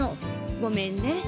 ごめんね。